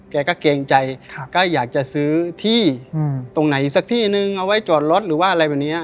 แกก็เกรงใจก็อยากจะซื้อที่ตรงไหนสักที่นึงเอาไว้จอดรถหรือว่าอะไรแบบนี้